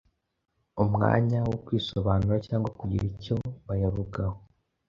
umwanya wo kwisobanura cyangwa kugira icyo bayavugaho.